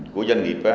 của doanh nghiệp